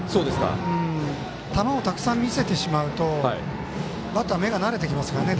球をたくさん見せてしまうとバッター、目が慣れてきますよね。